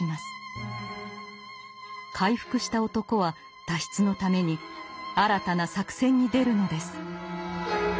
回復した男は脱出のために新たな作戦に出るのです。